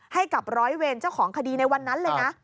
ให้กับร้อยเวรเจ้าของคดีในวันนั้นเลยนะ